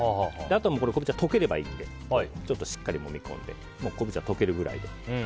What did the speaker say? あとは昆布茶が溶ければいいのでしっかりもみ込んで昆布茶が溶けるくらいで。